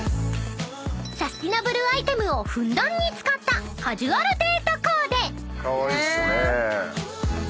［サスティナブルアイテムをふんだんに使ったカジュアルデートコーデ］